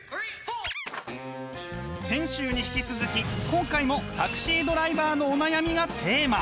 先週に引き続き今回もタクシードライバーのお悩みがテーマ。